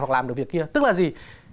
hoặc làm được việc kia tức là gì